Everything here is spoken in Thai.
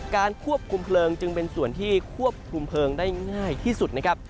ควบคุมเพลิงจึงเป็นส่วนที่ควบคุมเพลิงได้ง่ายที่สุดนะครับ